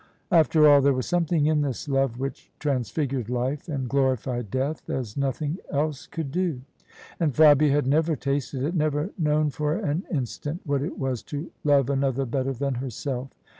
After all, there was something in this love which trans figured life and glorified death as nothing else could do: and Fabia had never tasted it — never known for an instant what it was to love another better than herself.